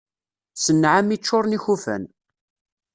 S nnɛami ččuren ikufan.